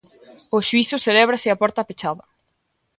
O xuízo celébrase a porta pechada.